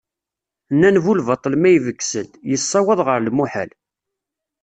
Nnan bu lbaṭel ma ibges-d, yessawaḍ ɣer lmuḥal.